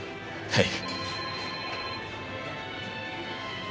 はい。